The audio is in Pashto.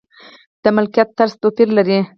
د ملکیت طرز توپیر لري.